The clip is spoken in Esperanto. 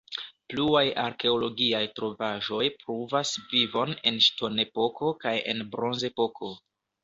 Pluaj arkeologiaj trovaĵoj pruvas vivon en ŝtonepoko kaj en bronzepoko.